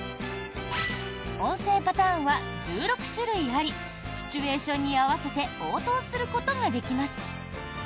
音声パターンは１６種類ありシチュエーションに合わせて応答することができます。